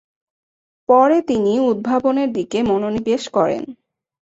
পরে, তিনি উদ্ভাবনের দিকে মনোনিবেশ করেন।